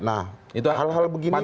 nah hal hal begini kan juga